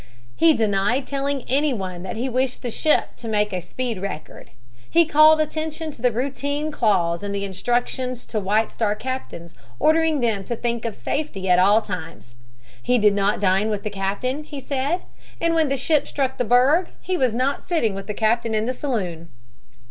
He denied telling anyone that he wished the ship to make a speed record. He called attention to the routine clause in the instructions to White Star captains ordering them to think of safety at all times. He did not dine with the captain, he said, and when the ship struck the berg, he was not sitting with the captain in the saloon.